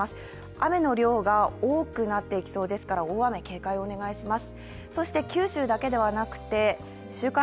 雨の量が多くなっていきそうですから、大雨、警戒をお願いします。